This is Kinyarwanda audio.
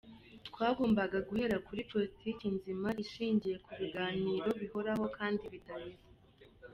Twagombaga guhera kuri politiki nzima ishingiye ku biganiro bihoraho kandi bidaheza.